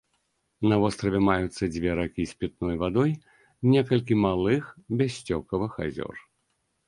На востраве маюцца дзве ракі з пітной вадой, некалькі малых бяссцёкавых азёр.